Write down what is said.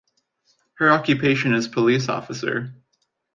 Her occupation is police officer.